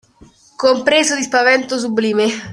Compreso di spavento sublime